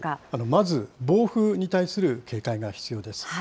まず暴風に対する警戒が必要です。